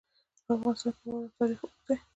په افغانستان کې د واوره تاریخ اوږد دی.